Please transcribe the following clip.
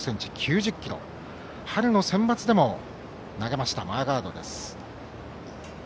春のセンバツでも投げましたマーガードです。